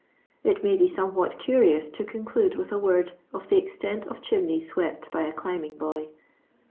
It may be somewhat cnrioni to conclude with a word of the extent of chimneya awept by a climbing boy.